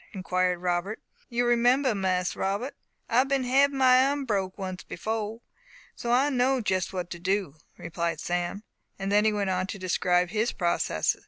inquired Robert. "You remember, Mas Robbut, I bin hab my arm broke once befo'e; so I knowed jes what to do," replied Sam, and then he went on to describe his process.